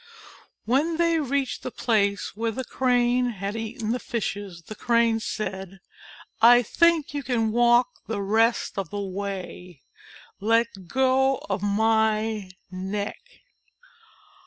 When they reached the place where the Crane had eaten the Fishes, the Crane said: "I think you can walk the rest of the way. Let go of my neck."